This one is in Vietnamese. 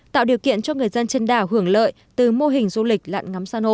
tạo điều kiện cho người dân trên đảo hưởng lợi từ mô hình du lịch lặn ngắm san hô